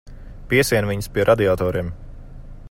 Piesien viņus pie radiatoriem.